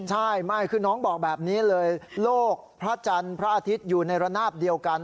ใช่ไม่คือน้องบอกแบบนี้เลยโลกพระจันทร์พระอาทิตย์อยู่ในระนาบเดียวกัน